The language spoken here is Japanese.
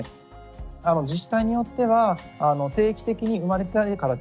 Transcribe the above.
自治体によっては定期的に生まれてから